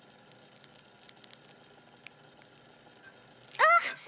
あっ！